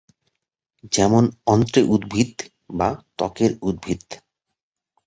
যেমন "অন্ত্রে উদ্ভিদ" বা "ত্বকের উদ্ভিদ"।